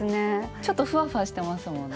ちょっとふわふわしてますもんね。